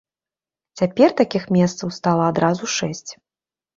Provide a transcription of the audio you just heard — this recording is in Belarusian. Цяпер такіх месцаў стала адразу шэсць.